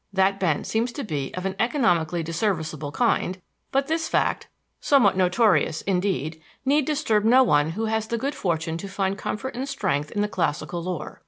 That bent seems to be of an economically disserviceable kind, but this fact somewhat notorious indeed need disturb no one who has the good fortune to find comfort and strength in the classical lore.